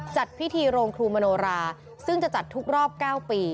จัดพิธีโรงครูมโนราซึ่งจะจัดทุกรอบ๙ปี